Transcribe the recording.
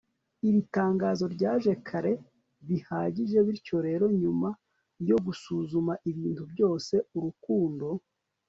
iri tangazo ryaje kare bihagije bityo rero nyuma yo gusuzuma ibintu byose, urukundo